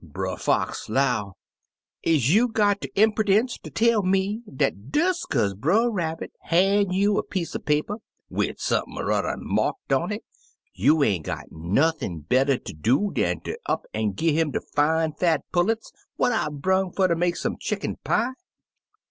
Brer Fox 'low, ' Is you got de imperdence ter tell me dat des kaze Brer Rabbit han' you a piece er paper, wid sump'n n'er marked on it, you ain't got nothin' better ter do dan ter up an' gi' 'im de fine, fat pullets what I brung fer ter make some chicken pie?'